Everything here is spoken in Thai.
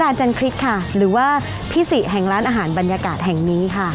จันคริสค่ะหรือว่าพี่สิแห่งร้านอาหารบรรยากาศแห่งนี้ค่ะ